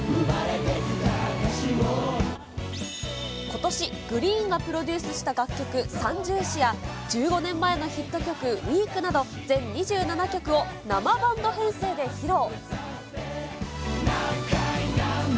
ことし、ＧＲｅｅｅｅＮがプロデュースした楽曲、三銃士や、１５年前のヒット曲、ｗｅｅｅｅｋなど、全２７曲を生バンド編成で披露。